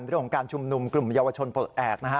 เรื่องของการชุมนุมกลุ่มเยาวชนปลดแอบนะฮะ